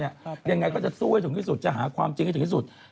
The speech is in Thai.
ยังไงก็จะสู้ให้ถึงที่สุดจะหาความจริงให้ถึงที่สุด